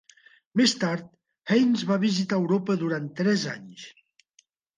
Més tard, Haines va visitar Europa durant tres anys.